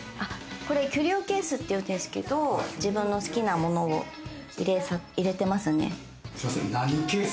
キュリオケースというんですけれども、自分の好きなものを入れてますね。